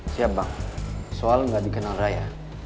siap bang soal nggak dikenal raya